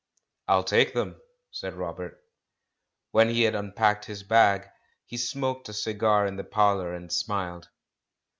"I'll take them," said Robert. When he had unpacked his bag, he smoked a cigar in the parlour, and smiled.